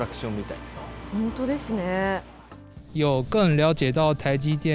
本当ですね。